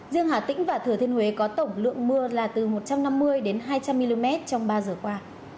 riêng hà tĩnh và thừa thiên huế có tổng lượng mưa là từ một trăm năm mươi đến hai trăm linh mm trong ba giờ qua